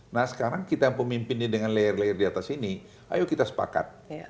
nah sekarang kita pemimpinnya dengan layar layar di atas ini ayo kita sepakat